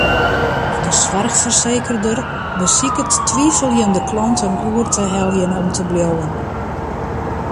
De soarchfersekerder besiket twiveljende klanten oer te heljen om te bliuwen.